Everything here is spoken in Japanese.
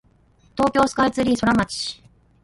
東京スカイツリーソラマチ